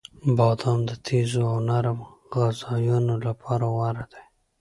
• بادام د تیزو او نرم غذایانو لپاره غوره دی.